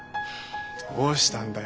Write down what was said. どうしたんだよ